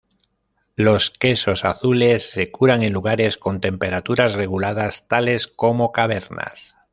Los quesos azules se curan en lugares con temperaturas reguladas tales como cavernas.